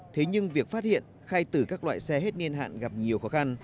thế nhưng việc phát hiện khai tử các loại xe hết niên hạn gặp nhiều khó khăn